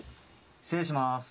失礼します。